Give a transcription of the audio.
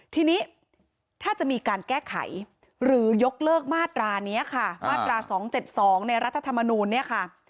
ทีนี้ถ้าจะมีการแก้ไขหรือยกเลิกมาตรานี้ค่ะมาตรา๒๗๒ในรัฐธรรมนูลเนี่ยค่ะ